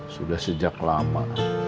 sudah sejak lama